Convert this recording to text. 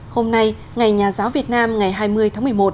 hôm nay ngày nhà giáo việt nam ngày hai mươi tháng một mươi một